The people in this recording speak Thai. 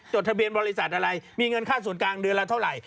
ทะเบียนบริษัทอะไรมีเงินค่าส่วนกลางเดือนละเท่าไหร่